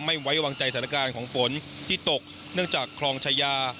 ไม่ไว้วางใจสถานการณ์ของฝนที่ตกเนื่องจากคลองชายา